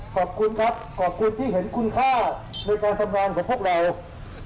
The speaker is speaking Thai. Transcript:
ขอบคุณครับขอบคุณที่เห็นคุณค่าในการทำงานของพวกเรา